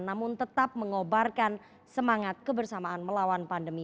namun tetap mengobarkan semangat kebersamaan melawan pandemi